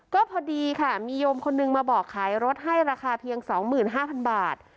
ก็พอดีค่ะมีโยมคนนึงมาบอกขายรถให้ราคาเพียงสองหมื่นห้าพันบาท